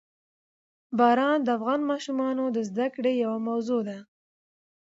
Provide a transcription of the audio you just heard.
باران د افغان ماشومانو د زده کړې یوه موضوع ده.